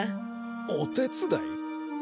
お手伝い？